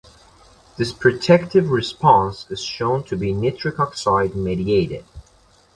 This protective response is shown to be nitric oxide mediated.